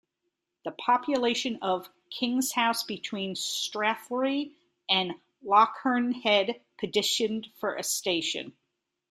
The population of Kingshouse, between Strathyre and Lochearnhead, petitioned for a station.